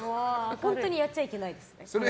本当にやっちゃいけないですね。